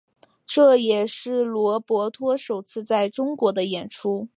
这也是罗伯托首次在中国的演出。